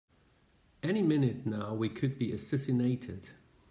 Any minute now we could be assassinated!